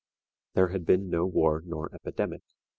There had been no war nor epidemic.